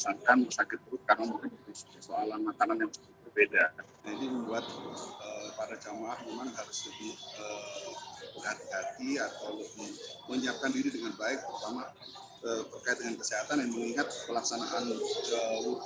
akan berlangsung pada hari juni atau ke dua hari kemendakannya